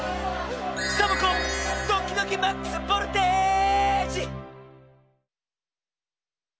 サボ子ドキドキマックスボルテージ！